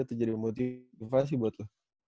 atau jadi motivasi buat lu